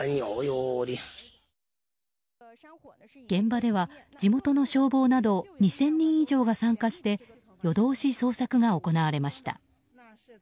現場では地元の消防など２０００人以上が参加して夜通し捜索が行われました。